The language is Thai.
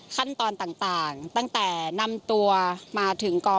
ขั้นตอนต่างตั้งแต่นำตัวมาถึงแลฟอิสระสำเร็จ